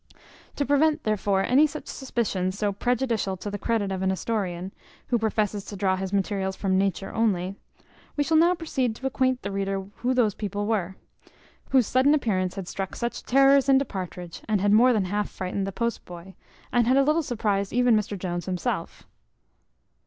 To prevent, therefore, any such suspicions, so prejudicial to the credit of an historian, who professes to draw his materials from nature only, we shall now proceed to acquaint the reader who these people were, whose sudden appearance had struck such terrors into Partridge, had more than half frightened the post boy, and had a little surprized even Mr Jones himself.